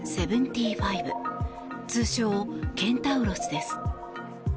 通称・ケンタウロスです。